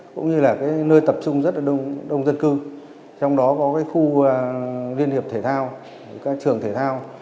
cũng như là nơi tập trung rất là đông dân cư trong đó có khu liên hiệp thể thao các trường thể thao